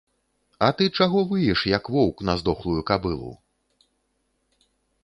А ты чаго выеш, як воўк на здохлую кабылу?